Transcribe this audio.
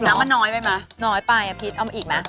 น้ำมันน้อยไปอภิษเอาอีกมะ